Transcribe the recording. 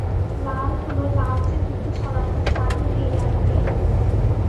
লাল হল লালচে দ্যুতি ছড়ানো সানিভেইলার দের।